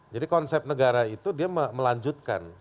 jadi konsep negara itu dia melanjutkan